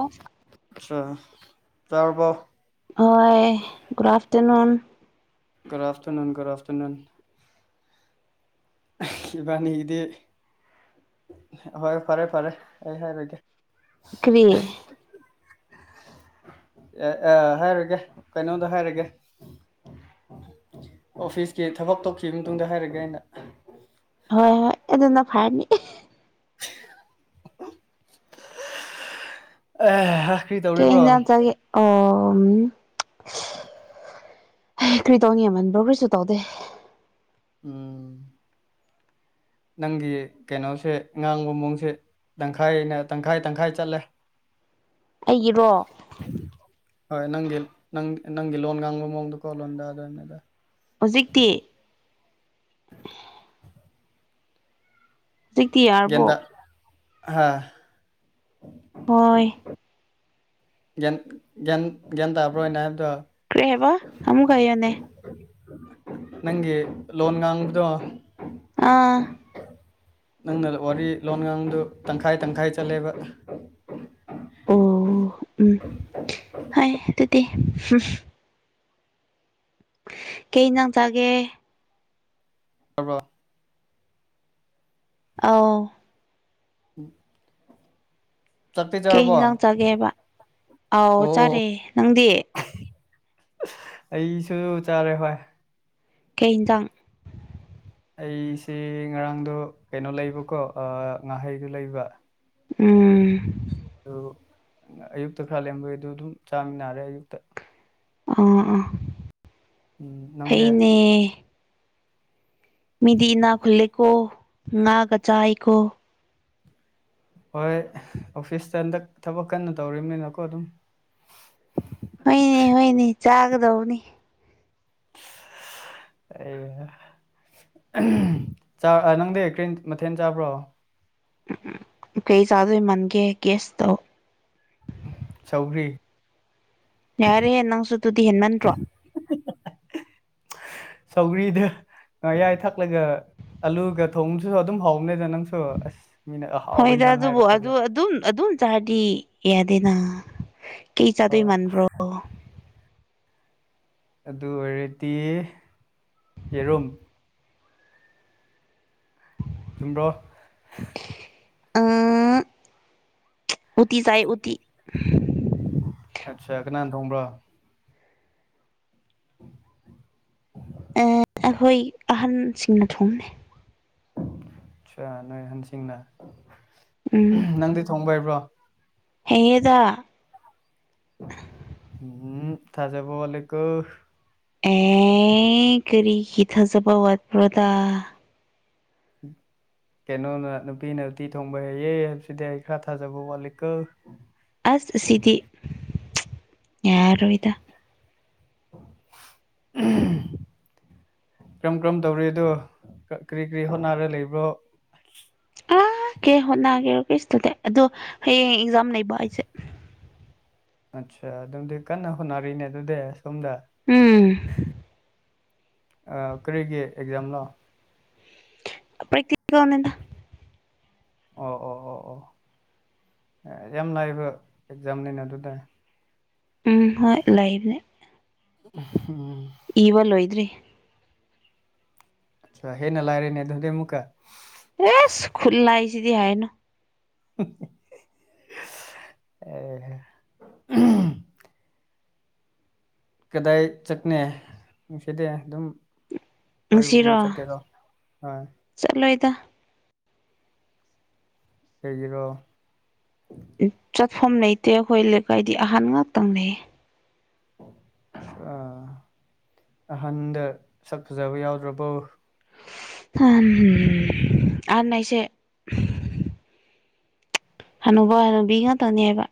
ꯑꯣ ꯆꯥꯛ ꯆꯥꯔꯕꯣ ꯍꯣꯏ good afternoon good afternoon good afternoon ꯏꯕꯥꯅꯤꯒꯤꯗꯤ ꯍꯣꯏ ꯐꯔꯦ ꯐꯔꯦ ꯑꯩ ꯍꯥꯏꯔꯒꯦ ꯀꯔꯤ ꯑꯦ ꯑ ꯍꯥꯏꯔꯒꯦ ꯀꯩꯅꯣꯗ ꯍꯥꯏꯔꯒꯦ ꯑꯣꯐꯤꯁꯀꯤ ꯊꯕꯛ ꯇꯧꯈꯤꯕ ꯃꯇꯨꯡꯗ ꯍꯥꯏꯔꯒꯦ ꯑꯩꯅ ꯍꯣꯏ ꯍꯣꯏ ꯑꯗꯨꯅ ꯐꯔꯅꯤ ꯑ ꯍꯥ ꯀꯔꯤ ꯇꯧꯔꯤꯕ꯭ꯔꯣ ꯀꯩꯅ ꯆꯥꯒꯦ ꯑꯣ [unintelligible] ꯍ ꯀꯔꯤ ꯇꯧꯅꯤ ꯑꯃꯃꯟ ꯀꯔꯤꯁꯨ ꯇꯧꯗꯦ ꯎꯝ ꯅꯪꯒꯤ ꯀꯩꯅꯣꯁꯦ ꯉꯥꯡꯕ ꯃꯑꯣꯡꯁꯦ ꯇꯪꯈꯥꯏꯅ ꯇꯪꯈꯥꯏ ꯇꯪꯈꯥꯏ ꯆꯠꯂꯦ ꯑꯩꯒꯤꯔꯣ ꯍꯣꯏ ꯅꯪꯒꯤ ꯅꯪ ꯅꯪꯒꯤ ꯂꯣꯟ ꯉꯥꯡꯕ ꯃꯑꯣꯡꯗꯀꯣ ꯂꯣꯟꯗ ꯗꯨꯅꯤꯗ ꯍꯧꯖꯤꯛꯇꯤ ꯍꯧꯖꯤꯛꯇꯤ ꯌꯥꯔꯕꯣ ꯒꯌꯥꯟꯇ ꯍꯥꯥ ꯍꯣꯏ ꯒꯌꯥꯟ ꯒꯌꯥꯟꯇꯕ꯭ꯔꯣ ꯑꯩꯅ ꯍꯥꯏꯕꯗꯣ ꯀꯦꯔꯤ ꯍꯥꯏꯕ ꯑꯃꯨꯛꯀ ꯍꯥꯏꯌꯨꯅꯦ ꯅꯪꯒꯤ ꯂꯣꯟ ꯉꯥꯡꯕꯗꯣ ꯑꯥ ꯅꯪꯅ ꯋꯥꯔꯤ ꯂꯣꯟ ꯉꯥꯡꯕꯗꯨ ꯇꯪꯈꯥꯏ ꯇꯪꯈꯥꯏ ꯆꯠꯂꯦꯕ ꯑꯣ ꯎꯝ ꯍꯥꯏ ꯑꯗꯨꯗꯤ ꯀꯩ ꯌꯦꯟꯖꯥꯡ ꯆꯥꯒꯦ ꯑꯣꯏꯔꯕꯣ ꯑꯥꯎ ꯎ ꯀꯩ ꯏꯟꯖꯥꯡ ꯆꯥꯒꯦꯕ ꯑꯧ ꯑꯣ ꯆꯥꯔꯦ ꯅꯪꯗꯤ ꯑꯩꯁꯨ ꯆꯥꯔꯦ ꯍꯣꯏ ꯍꯩꯖꯥꯡ ꯑꯩꯁꯦ ꯉꯔꯥꯡꯗꯣ ꯀꯩꯅꯣ ꯂꯩꯕꯀꯣ ꯉꯥꯍꯩꯗꯣ ꯂꯩꯕ ꯎꯝ ꯑꯗꯨ ꯑꯌꯨꯛꯇ ꯈꯔ ꯂꯔꯕꯩꯗ ꯑꯗꯨꯝ ꯆꯥꯃꯤꯟꯅꯔꯦ ꯑꯌꯨꯛꯇ ꯑ ꯑꯥ ꯎꯝ ꯅꯪꯗꯦ ꯍ‌ꯦ ꯃꯤꯗꯤꯅꯥ ꯈꯨꯂꯀ ꯉꯅꯥꯒ ꯆꯥꯏꯀꫭ ꯍꯣꯏ ꯑꯣꯐꯤꯁꯇ ꯍꯟꯗꯛ ꯊꯕꯛ ꯀꯟꯅ ꯇꯧꯔꯤꯕꯅꯤꯅꯀꯣ ꯑꯗꯨꯝ ꯍꯣꯏꯅꯦ ꯍꯣꯏꯅꯦ ꯆꯥꯒꯗꯧꯅꯤ ꯑꯩ ꯅꯪꯗꯤ ꯀꯔꯤ ꯃꯊꯦꯜ ꯆꯥꯕ꯭ꯔꯣ ꯎꯝ ꯎꯝ ꯀꯩ ꯆꯥꯗꯣꯏ ꯃꯥꯟꯒꯦ ꯒꯦꯁꯇꯧ ꯁꯧꯒꯔꯤ ꯌꯥꯔꯦꯍꯦ ꯅꯪꯁꯨ ꯑꯗꯨꯨꯗꯤ ꯍꯦꯟꯃꯟꯗ꯭ꯔꯣ ꯁꯧꯒꯔꯤꯗ ꯑ ꯌꯥꯏ ꯊꯛꯂꯒ ꯑꯂꯨꯒ ꯊꯣꯡꯗꯨꯁꯨ ꯑꯗꯨꯝ ꯍꯥꯎꯕꯅꯦꯗ ꯅꯪꯁꯨ ꯑꯁ ꯃꯤꯅ ꯑꯍꯥꯎꯕ ꯍꯣꯏꯗ ꯏꯟꯁꯥꯡ ꯑꯗꯨꯕꯨ ꯑꯗꯨ ꯍꯥꯏꯔꯛꯂꯒ ꯑꯗꯨꯝ ꯑꯗꯨꯝ ꯆꯥꯔꯗꯤ ꯌꯥꯗꯦꯅ ꯀꯩ ꯆꯥꯗꯣꯏ ꯑꯣ ꯃꯥꯟꯕ꯭ꯔꯣ ꯑꯗꯨ ꯑꯣꯏꯔꯗꯤ ꯌꯦꯔꯨꯝ ꯆꯨꯝꯕ꯭ꯔꯣ ꯑꯥ ꯎꯇꯤ ꯆꯥꯏ ꯎꯇꯤ ꯑꯆꯥ ꯀꯅꯥ ꯊꫭꯡꯕꯔꫭ ꯑꯥ ꯑꯩꯈꯣꯏ ꯑꯍꯟꯁꯤꯡꯅ ꯊꯣꯡꯅ ꯑ ꯅꯣꯏ ꯍꯟꯁꯤꯡꯅ ꯅꯪꯗꯤ ꯊꯣꯡꯕ ꯍꯩꯕ꯭ꯔꯣ ꯍꯩꯌ‌ꯦꯗ ꯎꯝ ꯊꯥꯖꯕ ꯋꯥꯂꯤꯀꯣ ꯑꯦ ꯀꯔꯤꯒꯤꯤ ꯊꯥꯖꯕ ꯋꯥꯠꯄ꯭ꯔꯗ ꯎꯝ ꯀꯩꯅꯣꯅ ꯅꯨꯄꯤꯅ ꯎꯇꯤ ꯊꯣꯡꯕ ꯍꯩꯌꯦ ꯍꯥꯏꯕꯁꯤꯗꯤ ꯑꯩ ꯈꯔ ꯊꯥꯖꯕ ꯋꯥꯠꯂꯤꯀꫭ ꯑꯁ ꯁꯤꯗꯤ ꯌꯥꯔꯣꯏꯗ ꯎꯝ ꯀꯔꯝ ꯀꯔꯝ ꯇꯧꯔꯤꯗꯣ ꯀꯔꯤ ꯀꯔꯤ ꯍꯣꯠꯅꯔꯒ ꯂꯩꯕ꯭ꯔꯣ ꯑꯀꯦ ꯍꯣꯠꯅꯒꯦ ꯔꯨꯀꯦꯁꯇꯨꯗꯤ ꯑꯗꯣ ꯍꯌꯦꯡ ꯑꯦꯛꯖꯥꯝ ꯂꯩꯕ ꯍꯥꯏꯁꯦ ꯑꯠꯆꯥ ꯑꯗꯨꯝꯗꯤ ꯀꯟꯅ ꯍꯣꯠꯅꯔꯤꯅꯦ ꯑꯗꯨꯗꯤ ꯁꯣꯝꯗ ꯎꯝ ꯀꯔꯤꯒꯤ ꯑꯦꯛꯖꯥꯝꯅꯣ ꯑꯩꯈꫭꯏ ꯗꯤꯄꯂꫭꯅꯤꯗ ꯑꯣ ꯑꯣ ꯑꯣ ꯑꯣ ꯌꯥꯝ ꯂꯥꯏꯕ ꯑꯦꯛꯖꯥꯝꯅꯤꯅ ꯑꯗꯨꯗ ꯎꯝ ꯍꯣꯏ ꯂꯥꯏꯕꯅꯦ ꯎꯝ ꯏꯋꯥ ꯂꯣꯏꯗ꯭ꯔꯤ ꯍꯦ ꯅꯂꯥꯏꯔꯦꯅꯦ ꯑꯗꯨꯗꯦ ꯃꯨꯛꯀ ꯑꯦꯁ ꯈꯨꯠꯂꯏꯁꯤꯗꯤ ꯍꯥꯏꯅꯣ ꯑꯦ ꯀꯗꯥꯏ ꯆꯠꯅ ꯅꯨꯡꯁꯤꯗꯦ ꯑꯗꯨꯝ ꯉꯁꯤꯔꯣ ꯀꯣꯏꯕꯒꯨꯝꯕ ꯆꯠꯀꯦꯗꯣ ꯑꯣꯏ ꯆꯠꯂꯣꯏꯗ ꯀꯩꯒꯤꯔ ꯆꯠꯐꯝ ꯂꯩꯇꯦ ꯑꯩꯈꯣꯏ ꯂꯩꯀꯥꯏꯗꯤ ꯑꯍꯟ ꯉꯥꯛꯇꯪ ꯂꯩꯩꯌꯦ ꯑꯍꯟꯗ ꯁꯠ ꯐꯖꯕ ꯌꯥꯎꯗ꯭ꯔꯕꯣ ꯑ ꯑꯍꯟ ꯍꯥꯏꯁꯦ ꯍꯅꯨꯕ ꯍꯅꯨꯕꯤ ꯉꯥꯛꯇꯅꯦꯕ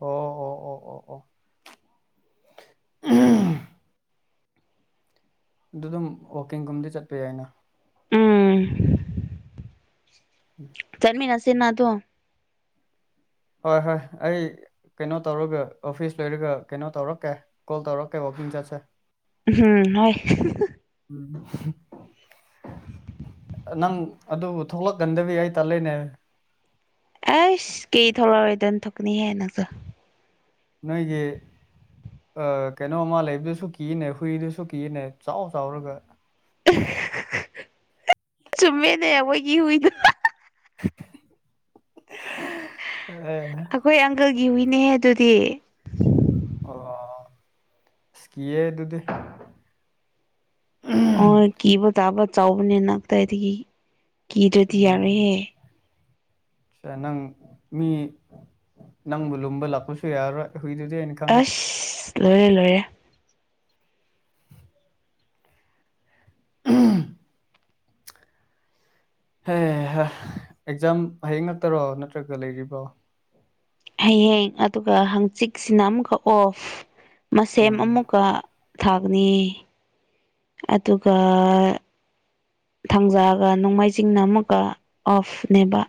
ꯑꯣ ꯑꯣ ꯑꯣ ꯑꯣ ꯑꯣ ꯑꯣ ꯑꯍ ꯑꯗꯨꯗꯨꯝ ꯋꯥꯛꯀꯤꯡꯒꯨꯝꯗꯤ ꯆꯠꯄ ꯌꯥꯏꯅ ꯎꯝ ꯆꯟꯃꯤꯅ ꯁꯤꯅꯥ ꯇꯣ ꯍꯣꯏ ꯍꯣꯏ ꯑꯩ ꯀꯩꯅꯣ ꯇꯧꯔꯒ ꯑꯣꯐꯤꯁ ꯂꯣꯏꯔꯒ ꯀꯩꯅꯣ ꯇꯧꯔꯛꯀꯦ ꯀꯣꯜ ꯇꯧꯔꯛꯀꯦ ꯋꯥꯛꯀꯤꯡ ꯆꯠꯁꯦ ꯎꯝ ꯍꯣꯏ ꯎꯝ [unintelligible] ꯅꯪ ꯑꯗꯨꯕꯨ ꯊꯣꯛꯂꯛꯀꯟꯗꯕꯤ ꯑꯩ ꯇꯜꯂꯦꯅꯦ ꯑꯩꯁ ꯀꯩ ꯊꯣꯛꯂꯛꯔꯣꯏꯗꯕꯟ ꯊꯣꯛꯀꯅꯤꯍꯦ ꯅꯪꯁꯨ ꯅꯣꯏꯒꯤ ꯑ ꯀꯩꯅꯣꯝꯃ ꯂꯩꯕꯗꯨꯁꯨ ꯀꯤꯅꯦ ꯍꯨꯏꯗꯨꯁꯨ ꯀꯤꯅꯦ ꯆꯥꯎ ꯆꯥꯎꯔꯒ ꯆꯨꯝꯃꯦꯅꯦ ꯑꯩꯈꯣꯏꯒꯤ ꯍꯨꯏꯗꯨ ꯑ [unintelligible] ꯑꯈꯣꯏ ꯑꯪꯀꯜꯒꯤ ꯍꯨꯏꯅꯦ ꯑꯗꯨꯗꯤ ꯑꯣ ꯑꯁ ꯀꯤꯌꯦ ꯑꯗꯨꯗꯤ ꯑꯣ ꯀꯤꯕ ꯇꯥꯕ ꯆꯥꯎꯕꯅꯤꯅ ꯀꯗꯥꯏꯗꯒꯤ ꯀꯤꯗ꯭ꯔꯗꯤ ꯌꯥꯔꯣꯏꯍꯦ ꯁꯦ ꯅꯪ ꯃꯤ ꯅꯪꯕꯨ ꯂꯨꯝꯕ ꯂꯥꯛꯄꯁꯨ ꯌꯥꯔꯔꯣꯏ ꯍꯨꯏꯗꯨꯗꯤ ꯍꯥꯏꯅ ꯑꯁ ꯂꯣꯏꯔꯦ ꯂꯣꯏꯔꯦ ꯎꯝ ꯍꯩꯍꯥ ꯑꯦꯛꯖꯥꯝ ꯍꯌꯦꯡ ꯅꯠꯇ꯭ꯔꯣ ꯅꯠꯇ꯭ꯔꯒ ꯂꯩꯔꯤꯕ꯭ꯔꯣ ꯍꯌꯦꯡ ꯑꯗꯨꯒ ꯍꯪꯆꯤꯛꯁꯤꯅ ꯑꯃꯨꯛꯀ ꯑꯣꯐ ꯃꯁꯦꯝ ꯎꯝ ꯑꯃꯨꯛꯀ ꯊꯥꯒꯅꯤ ꯑꯗꯨꯒ ꯊꯥꯡꯖꯥꯒ ꯅꯣꯡꯃꯥꯏꯖꯤꯡꯅ ꯑꯃꯨꯛꯀ ꯑꯣꯐꯅꯦꯕ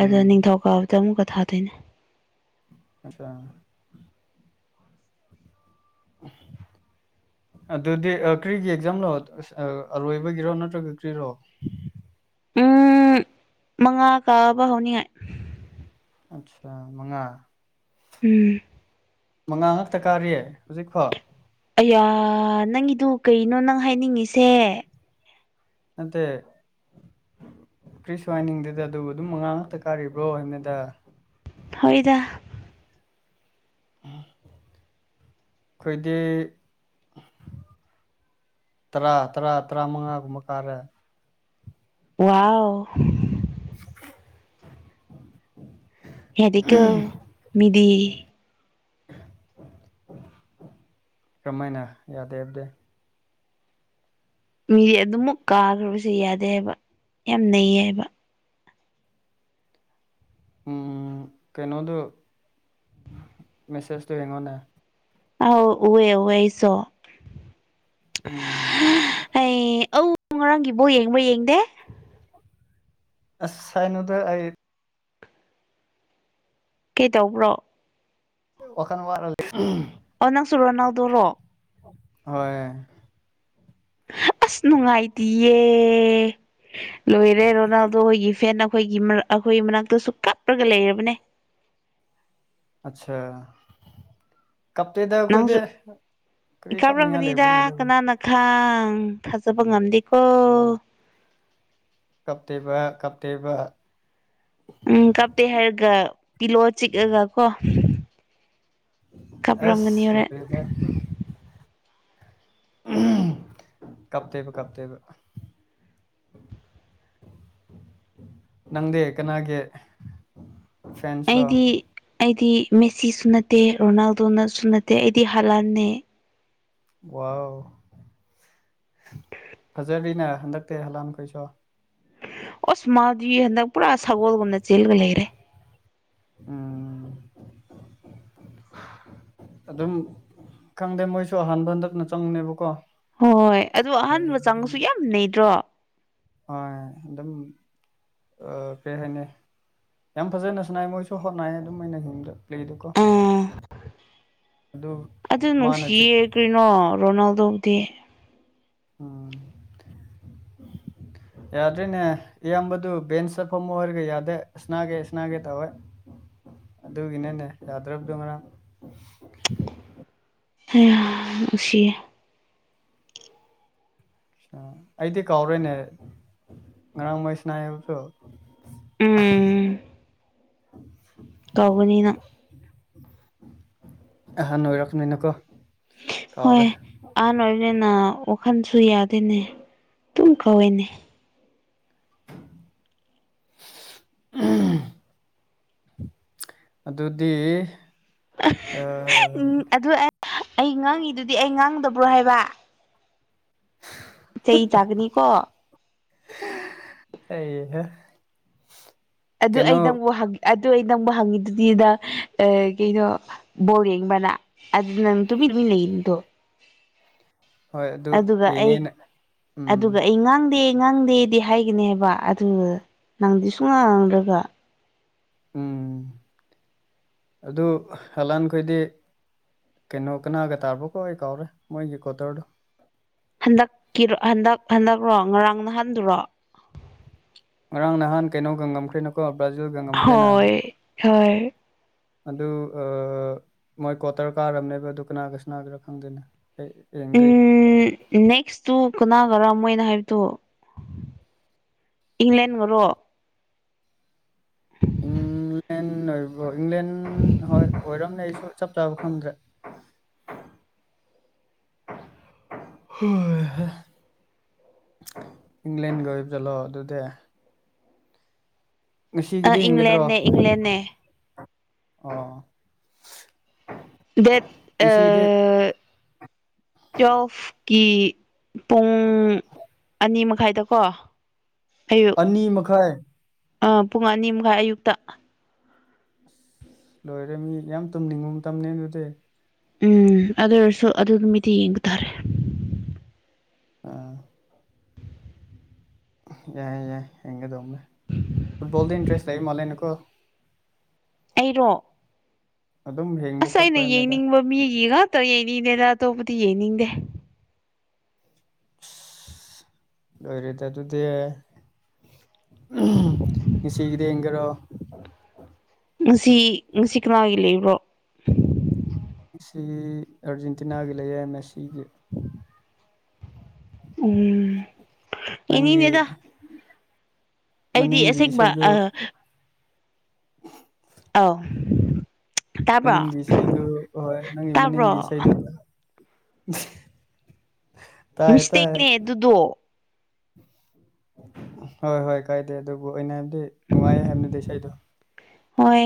ꯑꯗꯨꯒ ꯎꯝ ꯅꯤꯡꯊꯧꯀꯥꯕꯗ ꯑꯃꯨꯛꯀ ꯊꯥꯗꯣꯏꯅꯦ ꯑꯆꯥ [unintelligible] ꯑꯗꯨꯗꯤ ꯀ꯭ꯔꯤꯒꯤ ꯑꯦꯛꯖꯥꯝꯂꯣ ꯑꯔꯣꯏꯕꯒꯤꯔꯣ ꯅꯠꯇ꯭ꯔꯒ ꯀ꯭ꯔꯤꯔꯣ ꯎꯝ ꯃꯉꯥ ꯀꯥꯕ ꯍꯧꯅꯤꯡꯉꯥꯏ ꯑꯠꯁꯥ ꯃꯉꯥ ꯎꯝ ꯃꯉꯥ ꯉꯥꯛꯇ ꯀꯥꯔꯤ ꯍꯧꯖꯤꯛꯐꯥꯎ ꯑꯌꯥ ꯅꯪꯒꯤꯗꯨ ꯀꯩꯅꯣ ꯅꯪ ꯍꯥꯏꯅꯤꯡꯉꯤꯁꯦ ꯅꯠꯇꯦ ꯀ꯭ꯔꯤꯁꯨ ꯍꯥꯏꯅꯤꯡꯗꯦꯗ ꯑꯗꯨꯕꯨ ꯑꯗꯨꯝ ꯃꯉꯥ ꯉꯥꯛꯇ ꯀꯥꯔꯤꯕ꯭ꯔꯣ ꯍꯥꯏꯕꯅꯦꯗ ꯍꯣꯏꯗ ꯈꯣꯏꯗꯤ ꯇꯔꯥ ꯇꯔꯥ ꯇꯔꯥꯃꯉꯥꯒꯨꯝꯕ ꯀꯥꯔꯦ ꯋꯥꯎ [unintelligible] ꯌꯥꯗꯦꯀꯣ ꯃꯤꯗꯤ ꯀꯃꯥꯏꯅ ꯌꯥꯗꯦ ꯍꯥꯏꯕꯗꯤ ꯃꯤꯗꯤ ꯑꯗꯨꯃꯛ ꯀꯥꯈ꯭ꯔꯕꯁꯤ ꯌꯥꯗꯦ ꯍꯥꯏꯕ ꯌꯥꯝ ꯅꯩꯌꯦ ꯍꯥꯏꯕ ꯎꯝ ꯀꯩꯅꯣꯗꯣ ꯃꯦꯁꯦꯖꯇꯣ ꯌꯦꯡꯉꯣꯅꯦ ꯑꯧ ꯎꯋꯦ ꯑꯩꯁꯣ ꯎꯝ ꯑꯩ ꯑꯧ ꯉꯔꯥꯡꯒꯤ ꯕꯣꯜ ꯌꯦꯡꯕ꯭ꯔ ꯌꯦꯡꯗꯦ ꯑꯁ ꯍꯥꯏꯅꯨꯗ ꯑꯩ ꯀꯩ ꯇꯧꯕ꯭ꯔꯣ ꯋꯥꯈꯟ ꯋꯥꯔ ꯂꯩ ꯑꯣ ꯅꯪꯁꯨ ꯔꯣꯅꯥꯜꯗꯣꯔꯣ ꯍꯣꯏ ꯑꯁ ꯅꯨꯡꯉꯥꯏꯇꯤꯌꯦ ꯂꯣꯏꯔꯦ ꯔꯣꯅꯥꯜꯗꯣ ꯈꯣꯏꯒꯤ ꯐꯦꯟ ꯑꯩꯈꯣꯏꯒꯤ ꯑꯩꯈꯣꯏꯒꯤ ꯃꯅꯥꯛꯇꯁꯨ ꯀꯥꯞꯔꯒ ꯂꯩꯔꯕꯅꯦ ꯑꯠꯁꯥ ꯀꯞꯦꯗ ꯀꯣꯏꯗꯤ ꯅꯪꯁꯨ ꯀꯩ ꯀꯅꯤꯌꯥ ꯂꯩꯦꯕꯔꯅꯦ ꯂꯩꯕ ꯊꯥꯡ ꯊꯖꯕ ꯉꯝꯗꯤꯀꯣ ꯀꯞꯇꯦꯕ ꯀꯞꯇꯦꯕ ꯎꯝ ꯀꯥꯞꯇꯦ ꯍꯥꯏꯔꯒ ꯄꯤꯂꯛꯑꯣ ꯆꯤꯛꯑꯒ ꯀꯣ ꯑꯁ ꯂꯣꯢꯔꯦꯍꯦ ꯍ [unintelligible] ꯀꯞꯇꯦꯕ ꯀꯞꯇꯦꯕ ꯅꯪꯗꯤ ꯀꯅꯥꯒꯤ ꯐꯦꯟꯁꯂꯣ ꯑꯩꯗꯤ ꯑꯩꯗꯤ ꯃꯦꯁꯤꯁꯨ ꯅꯠꯇꯦ ꯔꯣꯅꯥꯜꯗꯣꯅꯁꯨ ꯅꯠꯇꯦ ꯑꯩꯗꯤ ꯍꯥꯂꯥꯟꯅꯦ ꯋꯥꯎ ꯐꯖꯔꯤꯅꯦ ꯍꯟꯗꯛꯇꯤ ꯍꯂꯥꯟꯈꯣꯏꯁꯨ ꯑꯣꯁ ꯃꯥꯗꯤ ꯍꯟꯗꯛ ꯄꯨꯔꯥ ꯁꯒꯣꯜꯒꯨꯝꯅ ꯆꯦꯜꯂꯒ ꯂꯩꯔꯦ ꯑꯝ ꯑꯗꯨꯝ ꯈꯪꯗꯦ ꯃꯣꯏꯁꯨ ꯑꯍꯥꯟꯕ ꯍꯟꯗꯛꯅ ꯆꯪꯅꯦꯕꯀꯣ ꯍꯣꯏ ꯍꯣꯏ ꯑꯗꯨꯗꯣ ꯑꯍꯥꯟꯕ ꯆꯪꯉꯁꯨ ꯌꯥꯝ ꯅꯩꯗ꯭ꯔꯣ ꯍꯣꯏ ꯑꯗꯨꯝ ꯀꯔꯤ ꯍꯥꯏꯅꯤ ꯌꯥꯝ ꯐꯖꯅ ꯁꯅꯥꯏ ꯃꯣꯏꯁꯨ ꯍꯣꯠꯅꯏ ꯑꯗꯨꯝ ꯑꯩꯅꯗ ꯄ꯭ꯂꯦꯗꯨꯀꯣ ꯑꯗꯨ ꯑꯗꯨ ꯃꯥꯅ ꯆꯤꯛ ꯅꯨꯡꯁꯤꯌꯦ ꯀ꯭ꯔꯤꯅꯣ ꯔꯣꯅꯥꯜꯗꯧꯗꯤ ꯎꯝ [unintelligible] ꯌꯥꯗ꯭ꯔꯣꯏꯅꯦ ꯏꯌꯥꯝꯕꯗꯨ ꯕꯦꯟꯁ ꯆꯠꯐꯝꯃ ꯑꯣꯏꯔꯒ ꯌꯥꯗꯦ ꯁꯅꯥꯒꯦ ꯏꯁꯅꯥꯒꯦ ꯇꯧꯋꯦ ꯑꯗꯨꯒꯤꯅꯦꯅꯦ ꯔꯥꯗ꯭ꯔꯕ ꯗꯃꯔꯥ ꯅꯨꯡꯁꯤꯌꯦ ꯑ ꯑꯩꯗꯤ ꯀꯥꯎꯔꯣꯏꯅꯦ ꯉꯔꯥꯡ ꯃꯩꯁꯅꯥꯏꯕꯁꯨ ꯎꯝ [unintelligible] ꯀꯧꯒꯅꯤꯅ ꯑꯍꯥ ꯅꯣꯏꯔꯛ ꯅꯣꯏꯅ ꯀꯣ ꯍꯣꯏ ꯑꯍꯥꯟꯕ ꯑꯣꯏꯕꯅꯤꯅ ꯋꯥꯈꯜꯁꯨ ꯌꯥꯗꯦꯅꯦ ꯑꯗꯨꯝ ꯀꯧꯏꯅꯦ ꯎ [unintelligible] ꯑꯗꯨꯗꯤ ꯎꯝ ꯑꯗꯨ ꯑꯩ ꯉꯥꯡꯉꯤꯗꯨꯗꯤ ꯑꯩ ꯉꯥꯡꯗꯕ꯭ꯔꯣ ꯍꯥꯏꯕ ꯆꯩ ꯆꯥꯛꯅꯤꯀꯣ ꯑꯩ ꯑꯗꯨ ꯑꯩ ꯅꯪꯕꯨ ꯑꯗꯨ ꯑꯩ ꯅꯪꯕꯨ ꯍꯪꯉꯤꯗꯨꯗꯤꯗ ꯀꯩꯅꯣ ꯕꯣꯔꯦꯡꯕꯅ ꯑꯗꯨ ꯅꯪ ꯇꯃꯤꯠ ꯂ ꯂꯩꯅꯤꯗꯣ ꯍꯣꯏ ꯑꯗꯨ ꯑꯗꯨꯒ ꯑꯩ ꯌꯦꯡꯉꯦꯅ ꯎꯝ ꯑꯗꯨꯒ ꯑꯩ ꯉꯥꯡꯗꯦ ꯉꯥꯡꯗꯦꯗꯤ ꯍꯥꯏꯒꯅꯦꯕ ꯑꯗꯨ ꯅꯪꯗꯤ ꯁꯨꯡ ꯉꯥꯡꯗꯒ ꯎꯝ [inaudible] ꯑꯗꯨ ꯍꯂꯥꯟꯈꯣꯏꯗꯤ ꯀꯩꯅꯣ ꯀꯅꯥꯒ ꯇꯥꯔꯕꯣꯀꯣ ꯑꯩ ꯀꯥꯎꯔꯦ ꯃꯣꯏꯒꯤ ꯀꯣꯇꯔꯗꯨꯣ ꯍꯟꯗꯛꯀꯤꯔꯣ ꯍꯟꯗꯛ ꯍꯟꯗꯛꯔꯣ ꯉꯔꯥꯡ ꯅꯍꯟꯗꯨꯔꯣ ꯉꯔꯥꯡ ꯅꯍꯥꯟ ꯀꯩꯅꯣꯒꯉꯝꯈ꯭ꯔꯦꯅꯨꯀꯣ ꯕ꯭ꯔꯥꯖꯤꯨꯜ ꯒꯪꯉꯝꯈ꯭ꯔꯦꯅ ꯍꯣꯏ ꯍꯣꯏ ꯑꯗꯨ ꯃꯣꯏ ꯀ꯭ꯋꯥꯇꯔ ꯀꯥꯔꯝꯅꯦꯕ ꯑꯗꯨ ꯀꯅꯥꯒ ꯁꯅꯥꯒꯔꯥ ꯈꯪꯗꯦꯅ ꯎꯝ ꯅꯦꯛꯁꯇꯨ ꯀꯅꯥꯒꯔ ꯃꯣꯏꯅ ꯍꯥꯏꯕꯗꯣ ꯏꯪꯂꯦꯟ ꯑꯣꯏꯣ ꯎꯝ ꯦꯟ ꯑꯣꯏ ꯏꯪꯂꯦꯟ ꯍꯣꯏ ꯑꯣꯏꯔꯝꯅꯦ ꯑꯩꯁꯨ ꯆꯞ ꯆꯥꯕ ꯐꯪꯗ꯭ꯔꯦ [inaudible] ꯍꯣꯏ ꯍ ꯏꯪꯂꯦꯟꯒꯤ ꯑꯣꯏꯕ ꯆꯠꯂꯣ ꯑꯗꯨꯗꯤ ꯑ ꯉꯁꯤꯒꯤꯗꯤ ꯌꯦꯡꯒꯗ꯭ꯔꯣ ꯏꯪꯂꯦꯟꯅꯦ ꯏꯪꯂꯦꯟꯅꯦ ꯑ ꯗꯦꯠ ꯑ ꯇꯋꯦꯜꯐꯀꯤ ꯄꯨꯡ ꯑꯅꯤ ꯃꯈꯥꯏꯗꯀꯣ ꯑꯅꯤ ꯃꯈꯥꯏ ꯑ ꯄꯨꯡ ꯑꯅꯤ ꯃꯈꯥꯏ ꯑꯌꯨꯛꯇ ꯂꯣꯏꯔꯦ ꯃꯤ ꯌꯥꯝ ꯇꯨꯝꯅꯤꯡꯕ ꯃꯇꯝ ꯑꯗꯨꯗꯤ ꯎꯝ ꯑꯗꯨ ꯑꯣꯏꯔꯁꯨ ꯑꯗꯨ ꯅꯨꯃꯤꯗꯤ ꯌꯦꯡꯕ ꯇꯥꯔꯦ ꯑꯥ ꯌꯥꯏ ꯌꯥꯏ ꯍꯡꯒꯦꯗꯧꯃꯦ ꯐꯨꯠꯕꯜꯗ ꯏꯟꯇ꯭ꯔꯦꯁ ꯂꯩꯏ ꯃ ꯂꯩꯦꯅꯀꯣ ꯑꯩꯔꯣ ꯑꯗꯨꯝ ꯍꯦꯛ ꯑꯁ ꯑꯩꯅ ꯌꯦꯡꯅꯤꯡꯕ ꯃꯤꯒꯤ ꯉꯥꯛꯇ ꯌꯦꯡꯅꯤꯡꯗꯦꯗ ꯑꯇꯣꯞꯄꯗꯤ ꯌꯦꯡꯅꯤꯡꯗꯦ ꯂꯣꯏꯔꯦꯠꯇꯣꯗꯤ ꯉꯁꯤꯒꯤꯗ ꯌꯦꯡꯈꯔꯣ ꯉꯁꯤ ꯉꯁꯤ ꯀꯅꯒꯂꯦ ꯏꯕ꯭ꯔꯣ ꯁꯤ ꯑꯥꯔꯖꯦꯟꯇꯤꯅꯥꯒꯤ ꯂꯩꯌꯦ ꯃꯦꯁꯤꯒꯤ ꯎꯝ ꯅꯪꯒꯤ ꯌꯦꯡꯅꯤꯡꯗꯦꯗ ꯑꯩꯗꯤ ꯃꯅꯤꯡꯒꯤ ꯑꯁꯦꯡꯕ ꯏꯁꯩꯗꯨ ꯑꯥ ꯑꯥꯎ ꯇꯥꯕ꯭ꯔꯣ ꯃꯅꯤꯡꯒꯤ ꯏꯁꯩꯗꯨ ꯍꯣꯏ ꯅꯪꯒꯤ ꯇꯥꯕ꯭ꯔꯣ ꯃꯅꯤꯡꯒꯤ ꯏꯁꯩꯗꯨ [inaudible] ꯇꯥꯏ ꯃꯤꯁꯇꯅꯦ ꯑꯗꯨꯗꯣ ꯍꯣꯏ ꯍꯣꯏ ꯀꯥꯏꯗꯦ ꯑꯗꯨꯕꯨ ꯑꯩꯅ ꯍꯥꯏꯕꯗꯤ ꯅꯨꯡꯉꯥꯏ ꯍꯥꯏꯕꯅꯤꯗꯤ ꯏꯁꯩꯗꯣ ꯍꯣꯏ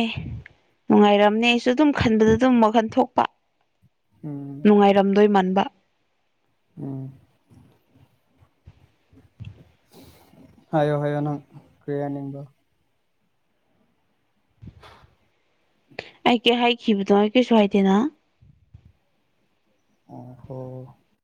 ꯅꯨꯡꯉꯥꯏꯔꯝꯅꯦ ꯑꯩꯁꯨ ꯑꯗꯨꯝ ꯈꯟꯕꯗ ꯑꯗꯨꯝ ꯋꯥꯟ ꯊꯣꯛꯄ ꯎꯝ ꯅꯨꯡꯉꯥꯏꯔꯝꯗꯣꯏ ꯃꯥꯟꯕ ꯎꯝ ꯍꯥꯏꯌꯣ ꯍꯥꯏꯌꯣ ꯅꯪ ꯀ꯭ꯔꯤꯌꯥꯅꯤꯡꯕꯣ ꯑꯩ ꯀꯩ ꯍꯥꯏꯈꯤꯕꯗꯣ ꯀꯩꯁꯨ ꯍꯥꯏꯗꯦꯅ ꯑꯣꯈꯣ